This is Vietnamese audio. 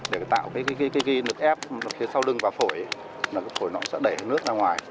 để tạo cái ghi nước ép sau đừng và phổi phổi nó sẽ đẩy nước ra ngoài